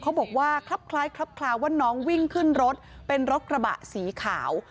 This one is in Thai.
เขาบอกว่าคลับคล้ายคลับคลาวว่าน้องวิ่งขึ้นรถเป็นรถกระบะสีขาว